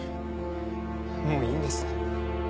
もういいんです。